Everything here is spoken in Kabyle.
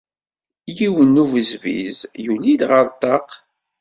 Yiwen n ubezbiz yuli-d ɣef ṭṭaq.